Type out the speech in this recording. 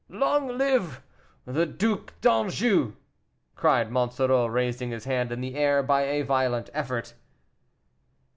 "Long live the Duc d'Anjou!" cried Monsoreau, raising his hand in the air by a violent effort.